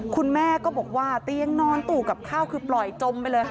คุณแม่ก็บอกว่าเตียงนอนตู้กับข้าวคือปล่อยจมไปเลยค่ะ